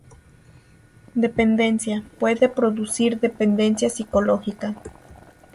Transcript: Dependencia: Puede producir dependencia psicológica.